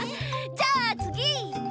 じゃあつぎ！